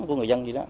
của người dân gì đó